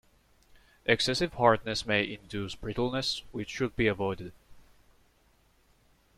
Excessive hardness may induce brittleness, which should be avoided.